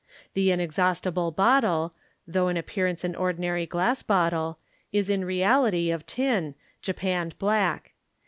The inex haustible bottle, though in appearance an ordinary glass bottle, is in reality of tin, japanned black.